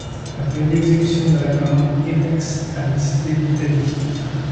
Après l'exécution de la commande Etex a visité l'Italie.